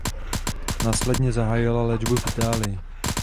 Následně zahájila léčbu v Itálii.